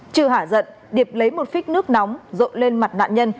trừ hả giận điệp lấy một phít nước nóng rộn lên mặt nạn nhân